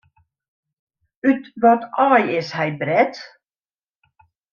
Ut wat aai is hy bret?